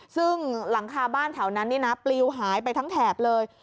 ซึ่งหลังคาบ้านแถวนั้นนี่นะปลิวหายไปทั้งแถบเลย